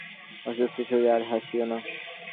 অসুস্থ শরীরে আর হাসিওনা।